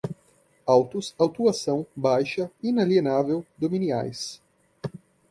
autos, autuação, baixa, inalienável, dominiais